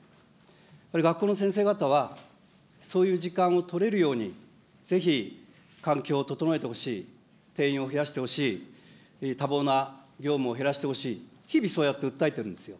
これ、学校の先生方は、そういう時間を取れるようにぜひ環境を整えてほしい、定員を増やしてほしい、多忙な業務を減らしてほしい、日々、そうやって訴えてるんです。